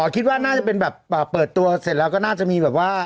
คิดว่าน่าจะเป็นแบบเปิดตัวเสร็จแล้วก็น่าจะมีแบบว่า